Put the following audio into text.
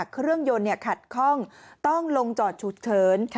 เครื่องยนต์ขัดข้องต้องลงจอดฉุกเฉิน